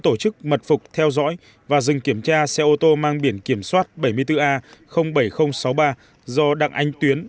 tổ chức mật phục theo dõi và dừng kiểm tra xe ô tô mang biển kiểm soát bảy mươi bốn a bảy nghìn sáu mươi ba do đặng anh tuyến